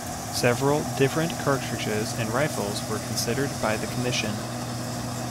Several different cartridges and rifles were considered by the commission.